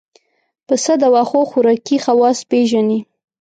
پسه د واښو خوراکي خواص پېژني.